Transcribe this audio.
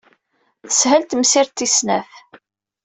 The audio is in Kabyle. Teshel tamsirt tis snat.